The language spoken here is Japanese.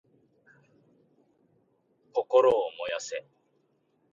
心を燃やせ！